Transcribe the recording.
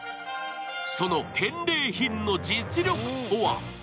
その返礼品の実力とは？